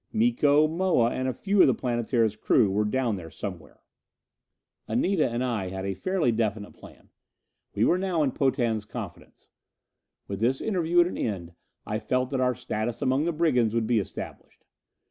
Miko, Moa, and a few of the Planetara's crew were down there somewhere. Anita and I had a fairly definite plan. We were now in Potan's confidence. With this interview at an end, I felt that our status among the brigands would be established.